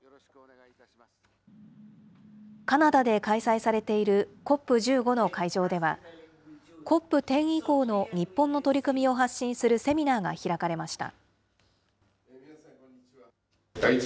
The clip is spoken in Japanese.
カナダで開催されているＣＯＰ１５の会場では、ＣＯＰ１０以降の日本の取り組みを発信するセミナーが開かれました。